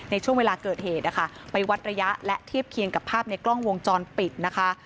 ในช่วงเวลาเกิดเหตุนะคะไปวัดระยะและเทียบเคียงกับภาพในกล้องวงจรปิดนะคะ